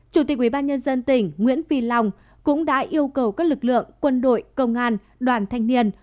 chủ tịch ubnd tỉnh nguyễn phi long cũng đã yêu cầu các lực lượng quân đội công an đoàn thanh niên